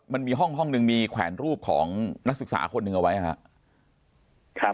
มันมีห้องหนึ่งมีแขวนรูปของนักศึกษาคนหนึ่งเอาไว้ครับ